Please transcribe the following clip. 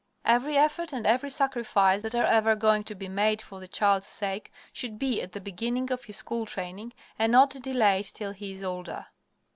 Every effort and every sacrifice that are ever going to be made for the child's sake should be at the beginning of his school training, and not delayed till he is older.